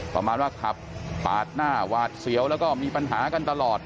ประมาณว่าขับปาดหน้าหวาดเสียวแล้วก็มีปัญหากันตลอด